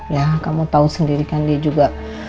ya kamu tahu sendiri kan dia juga